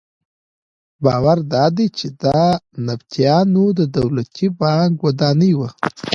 باور دادی چې دا د نبطیانو د دولتي بانک ودانۍ وه.